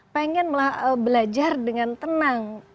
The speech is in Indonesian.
pengen belajar dengan tenang